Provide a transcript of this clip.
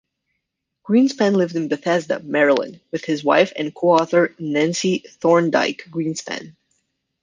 Greenspan lived in Bethesda, Maryland, with his wife and co-author Nancy Thorndike Greenspan.